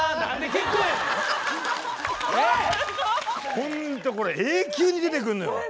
ホントこれ永久に出てくんのよ。